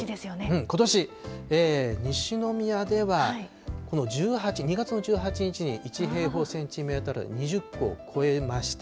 ことし、西宮ではこの１８、２月の１８日に１平方センチメートル当たり２０個を超えました。